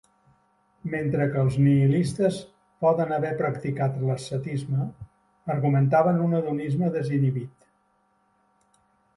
Mentre que els nihilistes poden haver practicat l'ascetisme, argumentaven un hedonisme desinhibit.